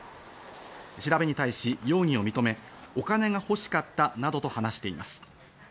調べに対し容疑を認め、お金が欲しかったなどと話しています。